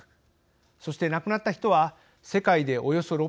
そして亡くなった人は世界でおよそ６９０万人。